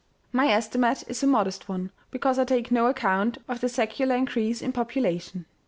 My estimate is a modest one, because I take no account of the secular increase in population.